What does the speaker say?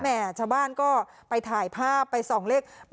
วันที่๑๕ชาวบ้านก็ไปถ่ายภาพไปส่องเลขและนิดหนึ่ง